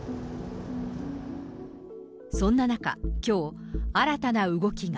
そんな中、きょう、新たな動きが。